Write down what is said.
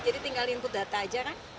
jadi tinggal input data saja kan